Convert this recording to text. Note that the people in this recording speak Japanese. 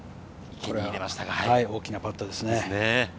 これは大きなパットですね。